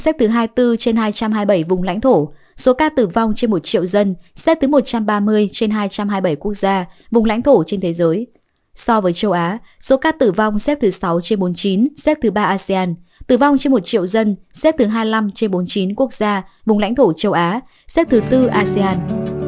xét thứ hai mươi năm trên bốn mươi chín quốc gia vùng lãnh thổ châu á xét thứ bốn asean